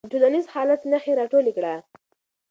د ټولنیز حالت نښې راټولې کړه.